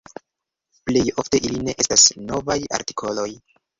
Plej ofte ili ne estas novaj artikoloj.